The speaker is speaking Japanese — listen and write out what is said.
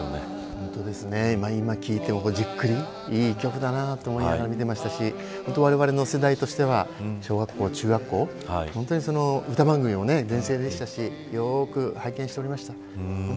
本当ですね、今聞いていてもいい曲だなと思いながら聞いていましたしわれわれの世代としては小学校、中学校歌番組も全盛期でしたしよく拝見していました。